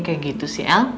terima kasih pak